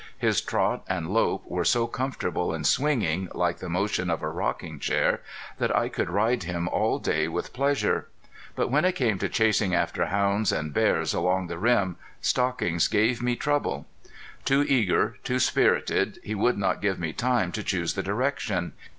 His trot and lope were so comfortable and swinging, like the motion of a rocking chair, that I could ride him all day with pleasure. But when it came to chasing after hounds and bears along the rim Stockings gave me trouble. Too eager, too spirited, he would not give me time to choose the direction.